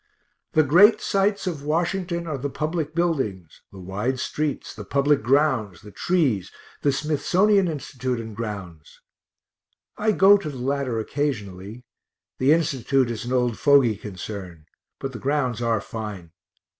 The great sights of Washington are the public buildings, the wide streets, the public grounds, the trees, the Smithsonian institute and grounds. I go to the latter occasionally the institute is an old fogy concern, but the grounds are fine.